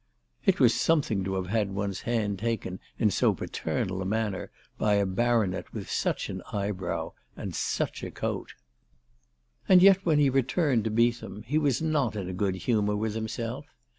It was something to have had one's hand taken in so paternal a manner by a baronet with such an eyebrow, and such a coat. ALICE DUGDALE. 351 And yet when he returned to Beetham he was not in a good humour with himself.